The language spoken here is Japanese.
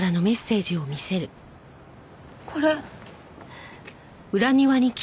これ。